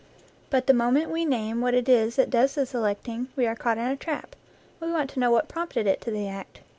But the moment we name what it is that does the selecting, we are caught in a trap we want to know what prompted it to the act.